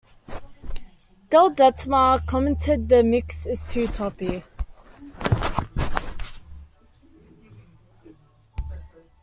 Del Dettmar commented The mix is too toppy.